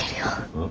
うん。